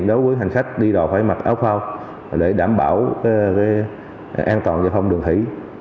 đối với hành khách đi đò phải mặc áo phao để đảm bảo an toàn giải phòng đường thủy